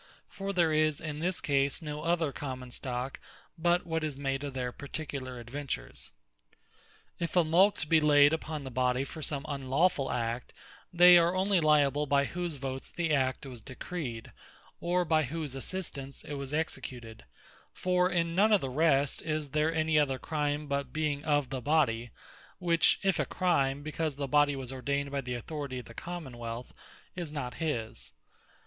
For there is in this case no other common stock, but what is made of their particular adventures. If a Mulct be layd upon the Body for some unlawfull act, they only are lyable by whose votes the act was decreed, or by whose assistance it was executed; for in none of the rest is there any other crime but being of the Body; which if a crime, (because the Body was ordeyned by the authority of the Common wealth,) is not his.